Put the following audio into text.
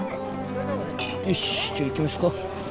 よしじゃあ行きますか。